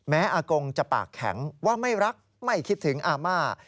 อากงจะปากแข็งว่าไม่รักไม่คิดถึงอาม่า